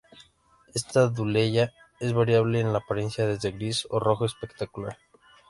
Esta "Dudleya" es variable en la apariencia desde gris a rojo espectacular.